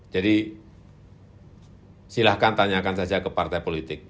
jadi silakan tanyakan saja ke partai politik